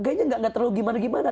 kayaknya nggak terlalu gimana gimana